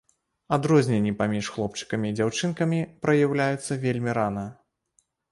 Адрозненні паміж хлопчыкамі і дзяўчынкамі праяўляюцца вельмі рана.